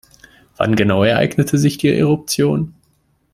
Wann genau ereignete sich die Eruption?